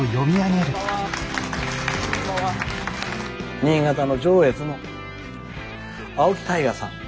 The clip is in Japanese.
新潟の上越の青木大河さん。